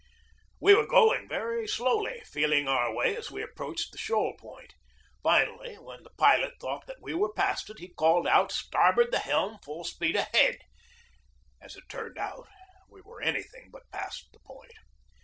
We were going very slowly, feeling our way as we approached the shoal point. Finally, when the pilot thought that we were past it, he called out: "Starboard the helm! Full speed ahead!" As it turned out, we were anything but past the point.